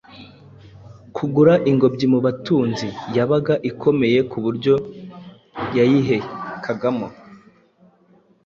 kugura ingobyi mu batunzi. Yabaga ikomeye ku buryo yayihekagamo